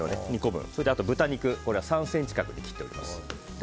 あと豚肉は３ｃｍ角に切っております。